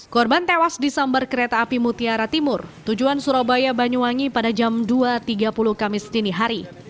korban tewas di sambar kereta api mutiara timur tujuan surabaya banyuwangi pada jam dua tiga puluh kamis dinihari